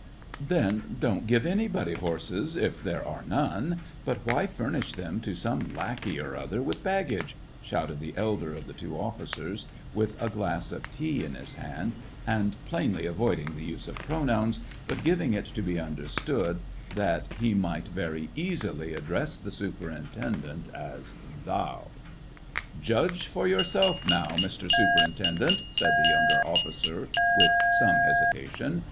" Then don't give anybody horses, if there are none ! But why furnish them to some lackey or other with baggage }" shouted the elder of the two officers, with a glass of tea in his hand, and plainly avoiding the use of pronouns,* but giv ing it to be understood that he might very easily address the superintendent as ^^ thoii^ * This effect cannot be reproduced in English. 134 SEVASTOPOL IN AUGUST. "Judge for yourself, now, Mr. Superintendent," said the younger officer, with some hesitation.